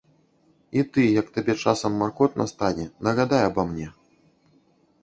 І ты як табе часам маркотна стане, нагадай аба мне.